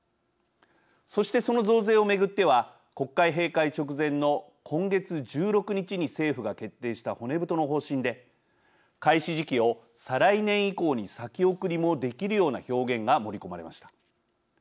そしてその増税を巡っては国会閉会直前の今月１６日に政府が決定した骨太の方針で開始時期を再来年以降に先送りもできるような表現が盛り込まれました。